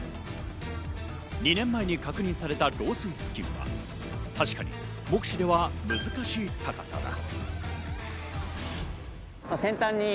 ２年前に確認された漏水付近は確かに目視では難しい高さだ。